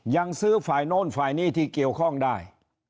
ยังซื้อฝ่ายโน้นฝ่ายนี้ที่เกี่ยวข้องได้